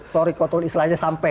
tori kotul islanya sampai